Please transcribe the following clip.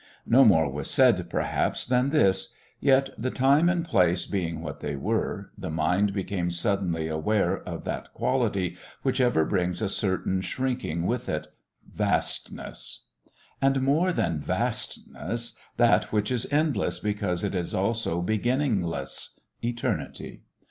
No more was said, perhaps, than this, yet, the time and place being what they were, the mind became suddenly aware of that quality which ever brings a certain shrinking with it vastness; and more than vastness: that which is endless because it is also beginningless eternity.